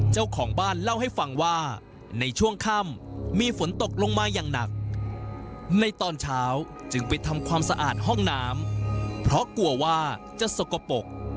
เจ้าของบ้านเล่าให้ฟังว่าในช่วงค่ำมีฝนตกลงมาอย่างหนักในตอนเช้าจึงไปทำความสะอาดห้องน้ำเพราะกลัวว่าจะสกปรก